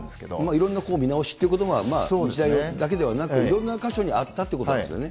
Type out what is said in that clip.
いろんな見直しっていうことが、日大だけではなく、いろんな箇所にあったということですよね。